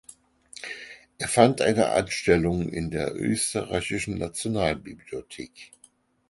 Er fand eine Anstellung in der Österreichischen Nationalbibliothek.